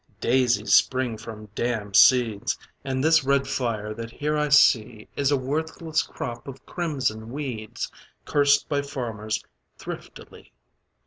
Daisies spring from damned seeds, And this red fire that here I see Is a worthless crop of crimson weeds, Cursed by farmers thriftily.